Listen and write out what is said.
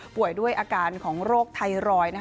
ป่วยด้วยอาการของโรคไทรอยด์นะคะ